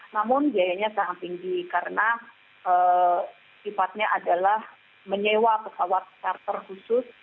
namun biayanya sangat tinggi karena sifatnya adalah menyewa pesawat charter khusus